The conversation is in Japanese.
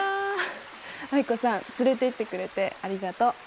藍子さん連れていってくれてありがとう。